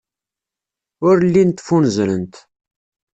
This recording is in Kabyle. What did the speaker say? Ur llint ffunzrent.